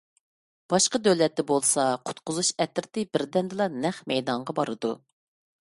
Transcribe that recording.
باشقا دۆلەتتە بولسا قۇتقۇزۇش ئەترىتى بىردەمدىلا نەق مەيدانغا بارىدۇ.